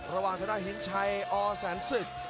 ระหว่างจะได้เห็นชัยอแสนศึก